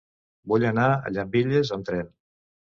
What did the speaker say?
Vull anar a Llambilles amb tren.